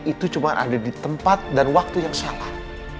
itu cuma ada di tempat dan waktu yang salah